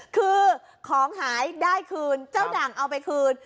คือของหายได้คืนเจ้าด่างเอาไปคืน